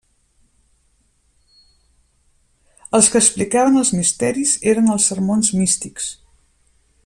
Els que explicaven els misteris eren els sermons místics.